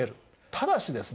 ただしですね